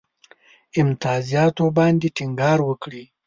امتیازاتو باندي ټینګار وکړ.